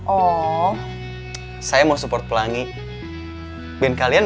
oh saya mau support pelangi dan kalian